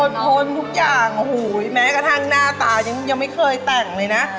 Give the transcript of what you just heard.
ทนทุกอย่างโอ้โหแม้กระทั่งหน้าตายังไม่เคยแต่งเลยนะ